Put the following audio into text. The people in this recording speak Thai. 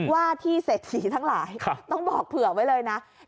ว่าที่เศรษฐีทั้งหลายต้องบอกเผื่อไว้เลยนะ